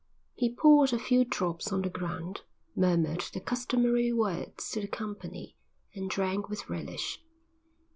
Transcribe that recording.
He poured a few drops on the ground, murmured the customary words to the company, and drank with relish.